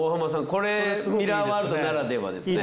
これミラーワールドならではですよね。